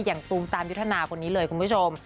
ตูมตามยุทธนาคนนี้เลยคุณผู้ชม